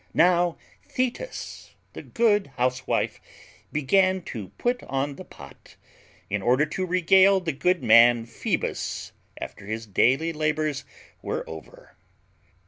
Now Thetis, the good housewife, began to put on the pot, in order to regale the good man Phoebus after his daily labours were over.